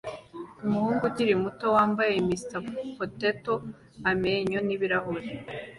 Umuhungu ukiri muto wambaye Mr Potato amenyo n'ibirahure